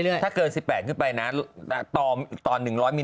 ที่ว่าใส่น้ำตาลเยอะเสียภาษี